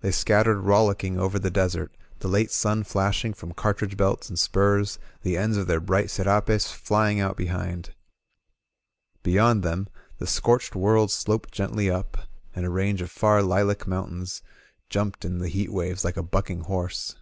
They scattered rollicking over the desert, the late sun flashing from cartridge belts and spurs, the ends of their bright serapes flying out be hind. Beyond them, the scorched world sloped gently up, and a range of far lilac mountains jiunped in the heat waves like a bucking horse.